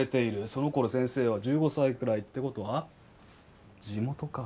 そのころ先生は１５歳くらいってことは地元か。